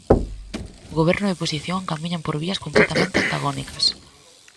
Goberno e oposición camiñan por vías completamente antagónicas.